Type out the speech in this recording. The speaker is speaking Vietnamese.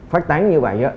phát tán như vậy